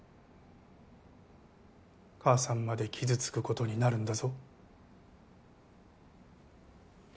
母さんまで傷つくことになるんだぞ